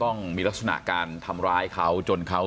เป็นพี่เป็นน้องกันโตมาด้วยกันตั้งแต่แล้ว